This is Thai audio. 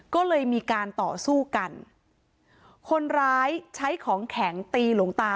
ก็เลยมีการต่อสู้กันคนร้ายใช้ของแข็งตีหลวงตา